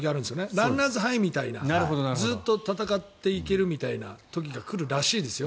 ランナーズハイみたいなずっと戦っていける時みたいな時が来るらしいですよ。